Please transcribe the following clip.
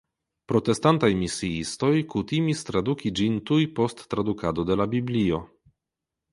Protestantaj misiistoj kutimis traduki ĝin tuj post tradukado de la Biblio.